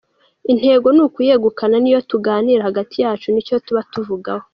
Intego ni ukuyegukana n’iyo tuganira hagati yacu, ni cyo tuba tuvugaho.